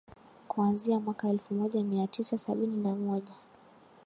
kuanzia mwaka elfu moja mia tisa sabini na moja